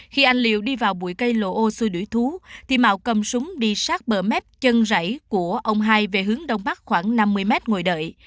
khi anh liều đi vào bụi cây lộ ô xui đuổi thú thì mạo cầm súng đi sát bờ mép chân rẫy của ông hai về hướng đông bắc khoảng năm mươi m ngồi đợi